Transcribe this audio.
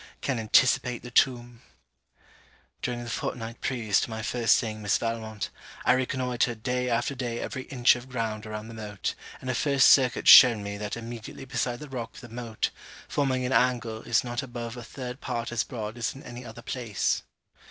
can anticipate the tomb? During the fortnight previous to my first seeing Miss Valmont, I reconnoitred day after day every inch of ground around the moat, and a first circuit showed me that immediately beside the rock the moat, forming an angle, is not above a third part as broad as in any other place.